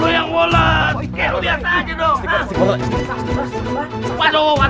lu yang wolas lu biasa aja dong